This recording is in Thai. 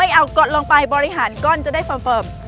ไม่เอากดลงไปมันเวลาห้าม